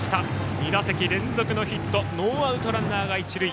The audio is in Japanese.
２打席連続のヒットノーアウトランナー、一塁。